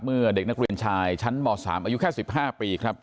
เมื่อเด็กนักเรียนชายชั้นม๓อายุแค่๑๕ปีครับ